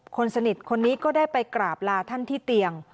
คนสนิทคนนี้ก็ได้ไปกราบลาท่านที่เตียง